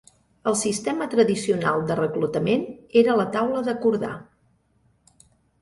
El sistema tradicional de reclutament era la taula d'acordar.